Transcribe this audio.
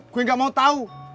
gue gak mau tahu